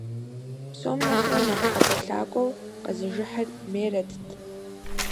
Псом нэхърэ нэхъ ӀэкӀуэлъакӀуэу къэзыжыхьыр Мерэтт.